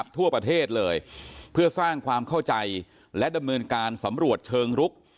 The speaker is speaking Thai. ทั่วประเทศเลยเพื่อสร้างความเข้าใจและดำเนินการสำรวจเชิงรุก